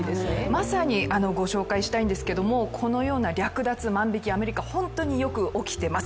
まさにご紹介したいんですけれどもこのような略奪、アメリカ、本当によく起きてます。